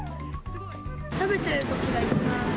食べてるときが一番。